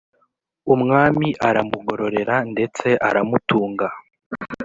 umwami aramugororera ndetse aramutunga,